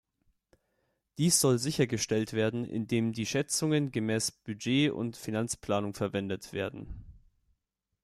Dies soll sichergestellt werden, indem die Schätzungen gemäss Budget- und Finanzplanung verwendet werden.